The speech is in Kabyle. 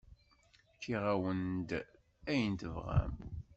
Fkiɣ-awen-d ayen tebɣam.